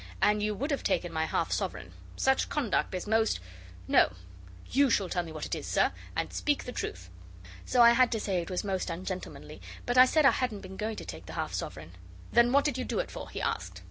And you would have taken my half sovereign. Such conduct is most No you shall tell me what it is, sir, and speak the truth.' So I had to say it was most ungentlemanly, but I said I hadn't been going to take the half sovereign. 'Then what did you do it for?' he asked.